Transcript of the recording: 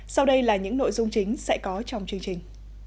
sau đây là những nội dung chính sẽ có trong chương trình